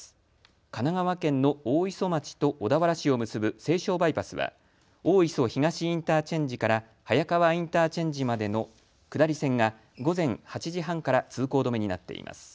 神奈川県の大磯町と小田原市を結ぶ西湘バイパスは大磯東インターチェンジから早川インターチェンジまでの下り線が午前８時半から通行止めになっています。